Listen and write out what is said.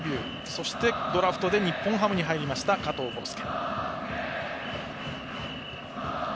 そして、ドラフトで日本ハムに入りました加藤豪将。